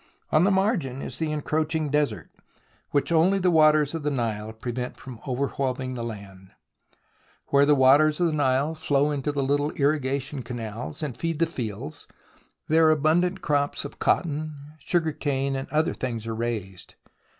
On the margin is the encroaching desert, which only the waters of the Nile prevent from overwhelming the land. Where the waters of the Nile flow into the little irrigation canals and feed the fields, there abundant crops of cotton, sugar cane, and other things are raised.